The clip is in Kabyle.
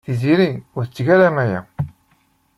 Tiziri ur tetteg ara aya.